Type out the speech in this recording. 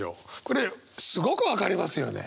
これすごく分かりますよね！